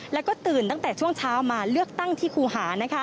แล้วก็ตื่นตั้งแต่ช่วงเช้ามาเลือกตั้งที่ครูหา